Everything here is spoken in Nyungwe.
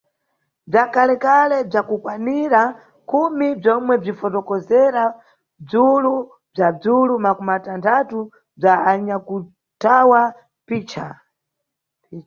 Bzwakalekale bzwa kukwanira khumi bzwomwe bzwinfokotozera bzwulu bzwa bzwulu makumatanthatu bzwa anyakuthawa mphicha.